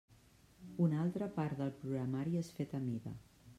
Una altra part del programari és fet a mida.